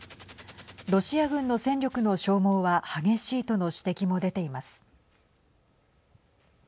ロシア軍の戦力の消耗は激しいとの指摘も出ています。